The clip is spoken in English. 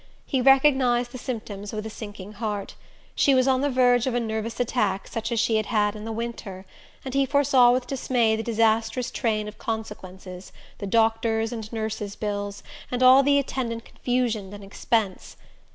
He recognized the symptoms with a sinking heart: she was on the verge of a nervous attack such as she had had in the winter, and he foresaw with dismay the disastrous train of consequences, the doctors' and nurses' bills, and all the attendant confusion and expense.